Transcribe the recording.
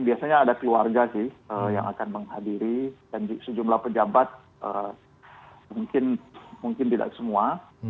biasanya ada keluarga sih yang akan menghadiri dan sejumlah pejabat mungkin tidak semua